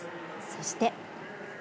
そして。